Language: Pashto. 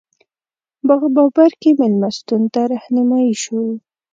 باغ بابر کې مېلمستون ته رهنمایي شوو.